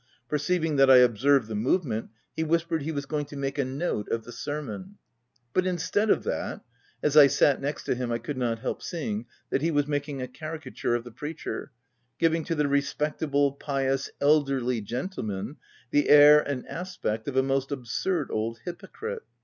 Perceiving that I observed the movement, he whispered he was going to make a note of the sermon ; but instead of that — as I sat next him I could not help seeing that he was making a caricature of the preacher, giving to the respectable, pious, elderly gentleman, the air and aspect of a most absurd old hypocrite.